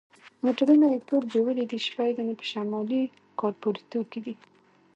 موټرونه یې ټول بیولي دي، شپږ دانې په شمالي کارپوریتو کې دي.